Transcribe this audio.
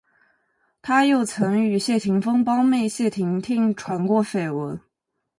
他又曾与谢霆锋胞妹谢婷婷传过绯闻。